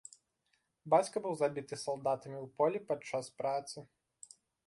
Бацька быў забіты салдатамі ў полі падчас працы.